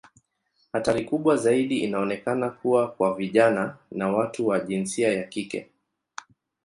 Hatari kubwa zaidi inaonekana kuwa kwa vijana na watu wa jinsia ya kike.